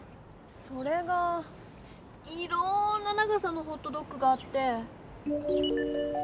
それがいろんな長さのホットドッグがあって。